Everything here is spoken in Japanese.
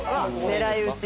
狙い撃ち。